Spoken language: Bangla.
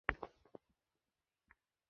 তোমার শার্টটা পছন্দ হয়েছে।